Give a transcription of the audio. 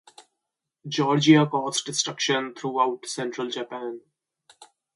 Georgia caused destruction throughout Central Japan.